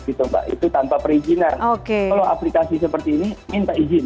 kalau tanpa perizinan kalau aplikasi seperti ini minta izin